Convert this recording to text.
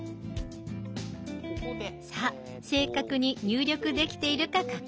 さあ正確に入力できているか確認。